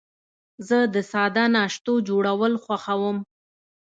زه د ساده ناشتو جوړول خوښوم.